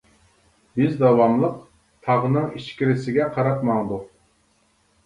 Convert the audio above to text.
بىز داۋاملىق تاغىنىڭ ئىچكىرىسىگە قاراپ ماڭدۇق.